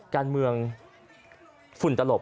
การเมืองฝุ่นตลบ